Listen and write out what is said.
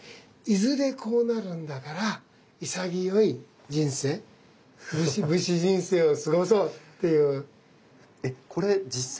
いずれこうなるんだから潔い人生武士人生を過ごそうっていう。